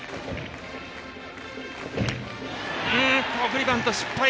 送りバント失敗。